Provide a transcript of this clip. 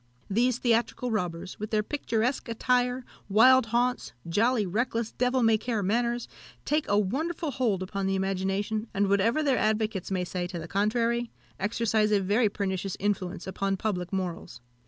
These theatrical robbers, with their picturesque attire, wild haunts, jolly, reckless, devil may care manners, take a wonderful hold upon the imagination, and whatever their advocates may say to the contrary, exercise a very pernicious influence upon public morals.